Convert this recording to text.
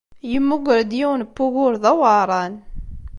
Yemmuger-d yiwen n wugur d aweɛṛan.